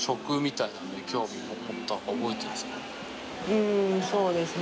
うんそうですね。